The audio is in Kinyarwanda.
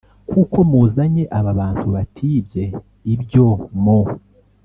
Kuko muzanye aba bantu batibye ibyo mu